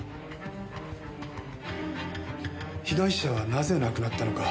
被害者はなぜ亡くなったのか。